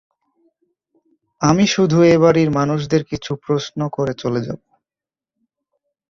আমি শুধু এ-বাড়ির মানুষদের কিছু প্রশ্ন করে চলে যাব।